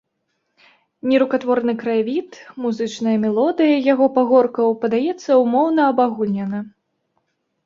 Нерукатворны краявід, музычная мелодыя яго пагоркаў падаецца ўмоўна-абагульнена.